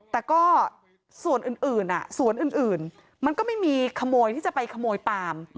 แต่ก็ส่วนอื่นสวนอื่นมันก็ไม่มีขโมยที่จะไปขโมยปาล์ม